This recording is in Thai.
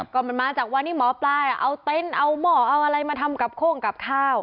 ก็มันมาจากวันนี้หมอปลาเอาเต็นต์เอาหม้อเอาอะไรมาทำกับโค้งกับข้าว